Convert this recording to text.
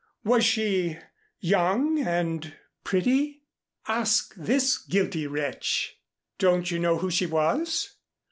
Was she young and pretty?'"] "Ask this guilty wretch " "Don't you know who she was?